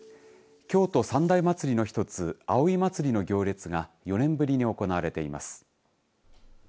京都三大祭の一つ、葵祭の行列が４年ぶりに行われています。